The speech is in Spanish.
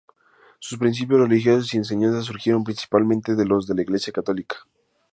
Sus principios religiosos y enseñanzas surgieron principalmente de los de la Iglesia católica.